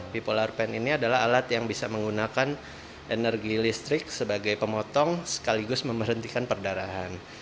bipolar pen ini adalah alat yang bisa menggunakan energi listrik sebagai pemotong sekaligus memberhentikan perdarahan